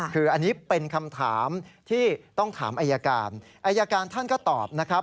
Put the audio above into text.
คืออันนี้เป็นคำถามที่ต้องถามอายการอายการท่านก็ตอบนะครับ